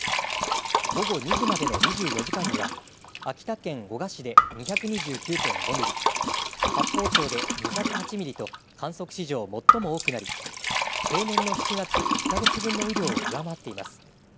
午後２時までの２４時間には秋田県男鹿市で２２９．５ミリ、八峰町で２０８ミリと観測史上最も多くなり平年の７月１か月分の雨量を上回っています。